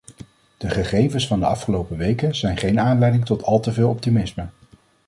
De gegevens van de afgelopen weken zijn geen aanleiding tot al te veel optimisme.